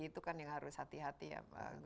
itu kan yang harus hati hati ya bang